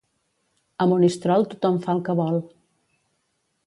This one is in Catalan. A Monistrol tothom fa el que vol.